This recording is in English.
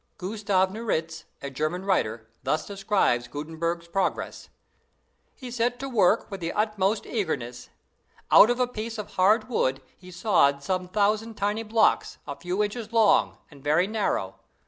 Gustav Nieritz, a German writer, thus describes Gutenberg's progress: "He set to work with the utmost eagerness. Out of a piece of hard wood he sawed some thousand tiny blocks, a few inches long, and very narrow.